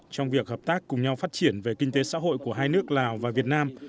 trong việc hợp tác cùng nhau phát triển về kinh tế xã hội của hai nước lào và việt nam